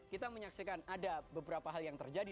kita menyaksikan ada beberapa hal yang terjadi